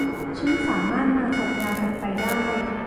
ฉันสามารถมาสัปดาห์ถัดไปได้